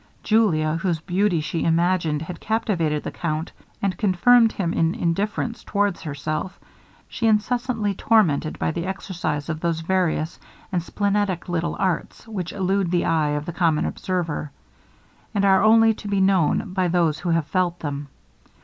Julia, whose beauty she imagined had captivated the count, and confirmed him in indifference towards herself, she incessantly tormented by the exercise of those various and splenetic little arts which elude the eye of the common observer, and are only to be known by those who have felt them.